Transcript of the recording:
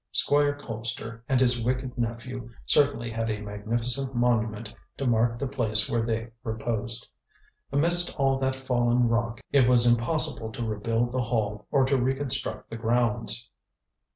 Squire Colpster and his wicked nephew certainly had a magnificent monument to mark the place where they reposed. Amidst all that fallen rock it was impossible to rebuild the Hall, or to reconstruct the grounds.